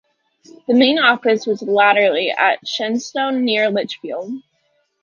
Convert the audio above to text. The main office was latterly at Shenstone near Lichfield.